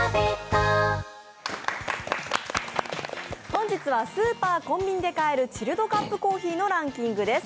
本日はスーパー・コンビニで買えるチルドカップコーヒーのランキングです。